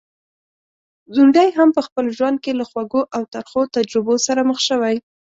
ځونډی هم په خپل ژوند کي له خوږو او ترخو تجربو سره مخ شوی.